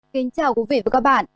kính chào quý vị và các bạn